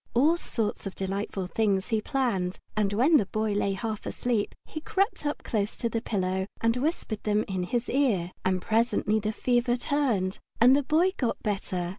All sorts of delightful things he planned, and while the Boy lay half asleep he crept up close to the pillow and whispered them in his ear. And presently the fever turned, and the Boy got better.